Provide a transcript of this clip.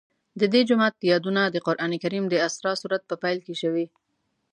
د دې جومات یادونه د قرآن کریم د اسراء سورت په پیل کې شوې.